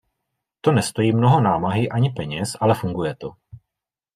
To nestojí mnoho námahy ani peněz, ale funguje to.